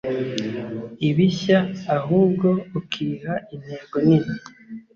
ibishya ahubwo ukiha intego nini